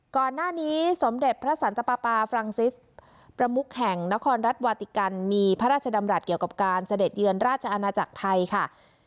ก่อนหน้านี้สมเด็จพระสันตปาปาฟรังซิสประมุกแห่งนครรัฐวาติกันมีพระราชดำรัฐเกี่ยวกับการเสด็จเยือนราชอาณาจักรไทยค่ะ